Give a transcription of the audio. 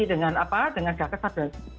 dengan gakak sabar